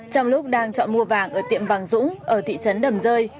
trong lúc đang chọn mua vàng ở tiệm vàng dũng ở thị trấn đầm rơi